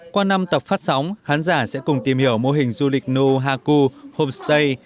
qua năm tập phát sóng khán giả sẽ cùng tìm hiểu mô hình du lịch nohaku homestay